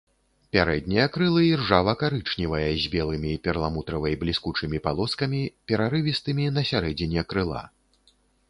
Пярэднія крылы іржава-карычневыя з белымі перламутравай бліскучымі палоскамі, перарывістымі на сярэдзіне крыла.